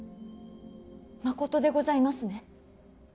まことでございますね。